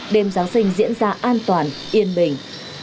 đêm giáng sinh diễn ra an toàn yên bình